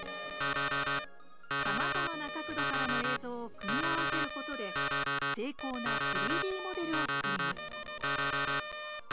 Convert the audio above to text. さまざまな角度からの映像を組み合わせることで精巧な３Ｄモデルを作ります。